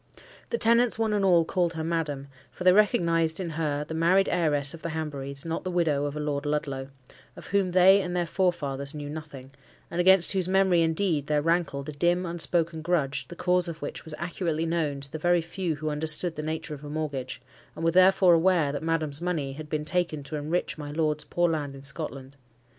The tenants one and all called her "Madam;" for they recognized in her the married heiress of the Hanburys, not the widow of a Lord Ludlow, of whom they and their forefathers knew nothing; and against whose memory, indeed, there rankled a dim unspoken grudge, the cause of which was accurately known to the very few who understood the nature of a mortgage, and were therefore aware that Madam's money had been taken to enrich my lord's poor land in Scotland.